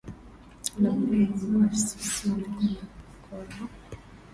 la muhimu ni kwa ni sana kwamba hakukuwa na